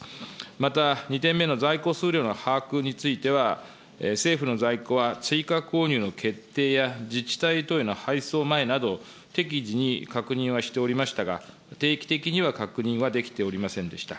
また２点目の在庫数量の把握については政府の在庫は追加購入の決定や自治体等への配送前など適時に確認はしておりましたが、定期的には確認はできておりませんでした。